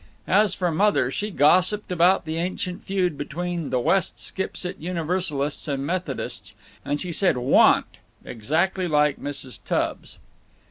As for Mother, she gossiped about the ancient feud between the West Skipsit Universalists and Methodists, and she said "wa'n't" exactly like Mrs. Tubbs.